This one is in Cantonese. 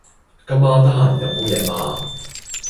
今晚得閒飲杯嘢嘛？